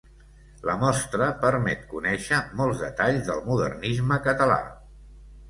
La mostra permet conèixer molts detalls del modernisme català.